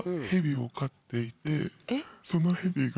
そのヘビが。